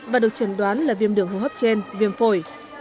và được chẩn đoán là viêm đường hô hấp trên viêm phổi